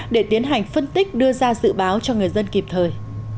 để tiến hành phân tích đưa ra dự báo cho người dân kịp thời